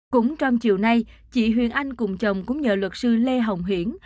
cũng trong chiều nay chị huyền anh cùng chồng cũng nhờ luật sư lê hồng hiển